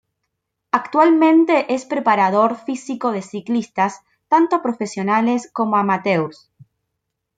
Actualmente es preparador físico de ciclistas tanto profesionales como amateurs.